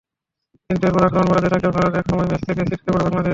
কিন্তু এরপর আক্রমণ বাড়াতে থাকে ভারত, একসময় ম্যাচ থেকে ছিটকে পড়ে বাংলাদেশ।